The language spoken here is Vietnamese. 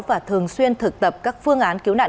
và thường xuyên thực tập các phương án cứu nạn